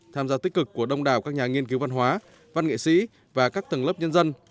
tham gia tích cực của đông đảo các nhà nghiên cứu văn hóa văn nghệ sĩ và các tầng lớp nhân dân